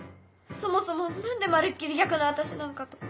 そもそも何でまるっきり逆の私なんかと。